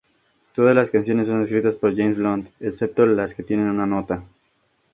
Todas las canciones son escritas por James Blunt, excepto las que tienen una nota.